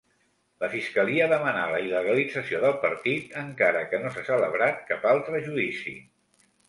La fiscalia demanà la il·legalització del partit, encara que no s'ha celebrat cap altre judici.